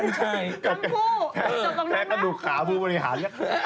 ทั้งผู้จบตรงนั้นนะแค่กระดูกขาผู้บริหาร